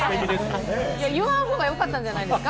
言わん方が良かったんじゃないですか？